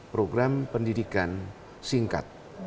program pendidikan singkat